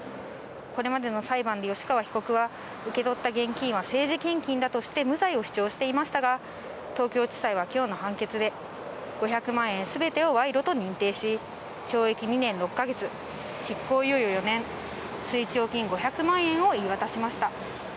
これまでの裁判で吉川被告は受け取った現金は政治献金だとして無罪を主張していましたが、東京地裁は今日の判決で５００万円すべてを賄賂と認定し、懲役２年６か月、執行猶予４年、追徴金５００万円を言い渡しました。